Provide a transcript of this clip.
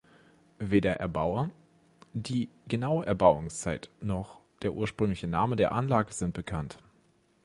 Weder Erbauer, die genaue Erbauungszeit noch der ursprüngliche Name der Anlage sind bekannt.